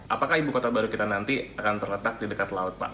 apakah ibu kota baru kita nanti akan terletak di dekat laut pak